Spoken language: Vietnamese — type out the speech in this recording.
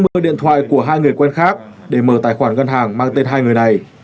tôi đã lấy điện thoại của hai người quen khác để mở tài khoản ngân hàng mang tên hai người này